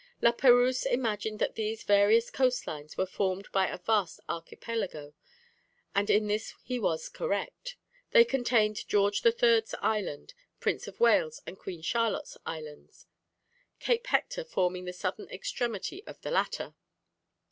La Perouse imagined that these various coast lines were formed by a vast archipelago; and in this he was correct. They contained George III.'s Island, Prince of Wales and Queen Charlotte's Islands Cape Hector forming the southern extremity of the latter.